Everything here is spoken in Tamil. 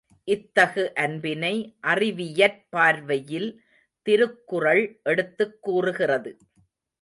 இத்தகு அன்பினை அறிவியற் பார்வையில் திருக்குறள் எடுத்துக் கூறுகிறது.